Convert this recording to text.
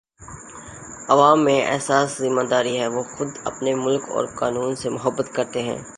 عوام میں احساس ذمہ داری ہے وہ خود اپنے ملک اور قانون سے محبت کرتے ہیں